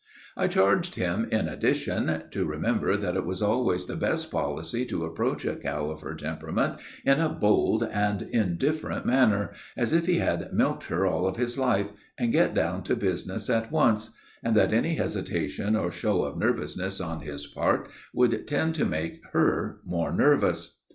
I charged him, in addition, to remember that it was always the best policy to approach a cow of her temperament in a bold and indifferent manner, as if he had milked her all his life, and get down to business at once; and that any hesitation or show of nervousness on his part would tend to make her more nervous.